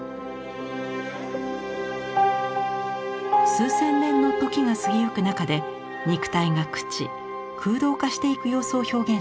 数千年の時が過ぎゆく中で肉体が朽ち空洞化していく様子を表現しました。